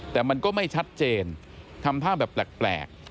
แต่มันก็ไม่ชัดเจนทำท่าแบบแปลก